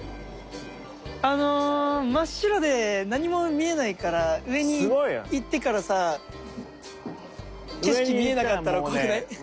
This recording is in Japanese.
あの真っ白で何も見えないから上に行ってからさ景色見えなかったら怖くない？